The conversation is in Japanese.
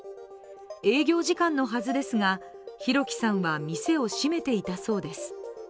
営業時間のはずですが弘輝さんは店を閉めていたそうです。